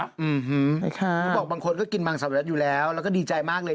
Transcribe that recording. อื้อฮือพี่บอกบางคนก็กินบางสัปดาห์อยู่แล้วแล้วก็ดีใจมากเลย